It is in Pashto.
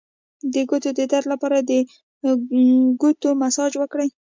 د ګوتو د درد لپاره د ګوتو مساج وکړئ